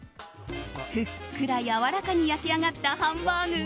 ふっくらやわらかに焼き上がったハンバーグ。